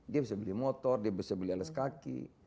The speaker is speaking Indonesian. dia bisa beli motor dia bisa beli alas kaki